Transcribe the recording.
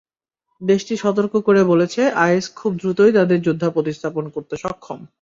দেশটি সতর্ক করে বলেছে, আইএস খুব দ্রুতই তাদের যোদ্ধা প্রতিস্থাপন করতে সক্ষম।